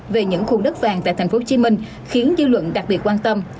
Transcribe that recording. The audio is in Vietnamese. về những khu đất vàng tại tp hcm khiến dư luận đặc biệt quan tâm